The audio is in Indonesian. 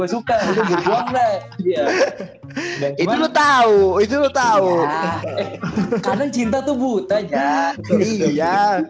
itu tahu itu tahu karena cinta tuh buta aja